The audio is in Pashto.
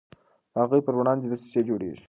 د هغوی پر وړاندې دسیسې جوړیږي.